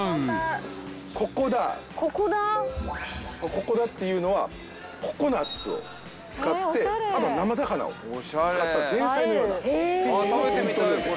ココダっていうのはココナツを使ってあと生魚を使った前菜のようなフィジーの伝統料理です。